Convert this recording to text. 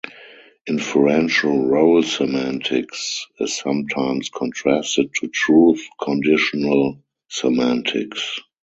Inferential role semantics is sometimes contrasted to truth-conditional semantics.